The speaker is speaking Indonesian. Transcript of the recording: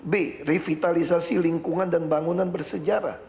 b revitalisasi lingkungan dan bangunan bersejarah